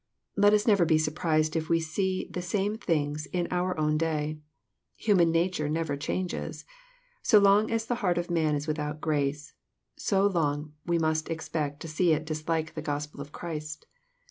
Let us never be surprised if we see the same thing in our own day. Human nature never changes. So long as the heart of man is without grace, so long we must expect to see it dislike the Gospel of Christ.